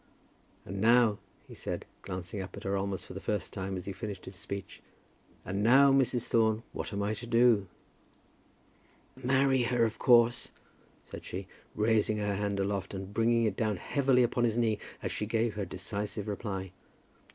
"And now," he said, glancing up at her almost for the first time as he finished his speech, "and now, Mrs. Thorne, what am I to do?" "Marry her, of course," said she, raising her hand aloft and bringing it down heavily upon his knee as she gave her decisive reply.